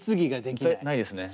ないですね。